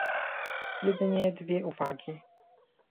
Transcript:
Jedynie dwie uwagi